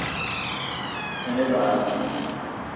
Yen ebag í moní